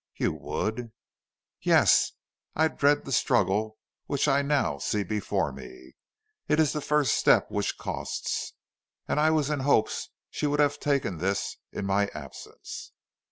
"You would?" "Yes. I dread the struggle which I now see before me. It is the first step which costs, and I was in hopes she would have taken this in my absence."